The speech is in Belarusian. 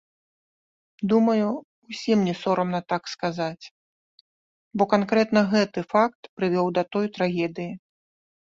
Думаю, усім не сорамна так сказаць, бо канкрэтна гэты факт прывёў да той трагедыі.